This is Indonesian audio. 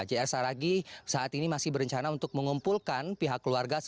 jr saragi saat ini masih berencana untuk mengumpulkan pihak keluarga